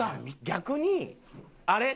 逆にあれ？